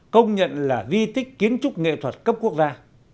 công nhận là di tích kiến trúc nghệ thuật cấp quốc gia